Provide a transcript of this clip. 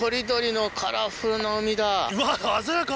うわ鮮やか。